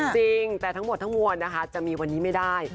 จริงแต่ทั้งหมดทั้งมวลนะคะจะมีวันนี้ไม่ได้